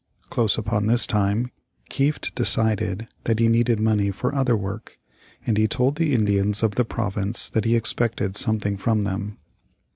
Close upon this time Kieft decided that he needed money for other work, and he told the Indians of the province that he expected something from them.